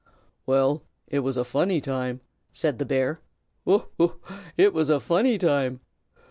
"Well, it was a funny time!" said the bear. "Ho! ho! it was a funny time!